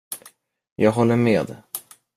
Jag håller med.